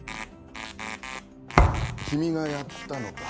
君がやったのか。